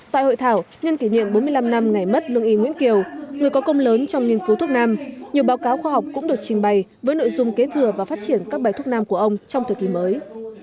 tại hội thảo nhân kỷ niệm bốn mươi năm năm ngày mất lương y nguyễn kiều người có công lớn trong nghiên cứu thuốc nam nhiều báo cáo khoa học cũng được trình bày với nội dung kế thừa và phát triển các bài thuốc nam của ông trong thời kỳ mới